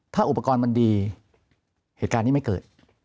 ถ้าอุปกรณ์มันดีเหตุการณ์นี้ไม่เกิด